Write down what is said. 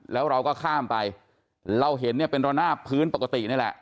แล้วเราก็ข้ามไปเราเห็นเนี่ยเป็นระนาบพื้นปกตินี่แหละ